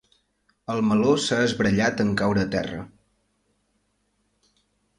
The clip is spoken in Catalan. El meló s'ha esbrellat en caure a terra.